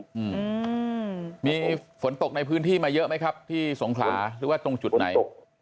อืมมีฝนตกในพื้นที่มาเยอะไหมครับที่สงขลาหรือว่าตรงจุดไหน